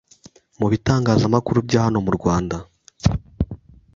mu bitangazamakuru bya hano mu Rwanda